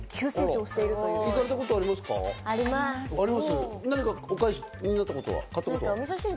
行かれたことありますか？